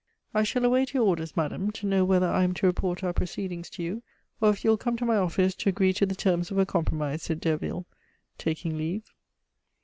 "I shall await your orders, madame, to know whether I am to report our proceedings to you, or if you will come to my office to agree to the terms of a compromise," said Derville, taking leave.